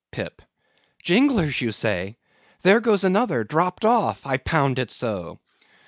PIP. Jinglers, you say?—there goes another, dropped off; I pound it so.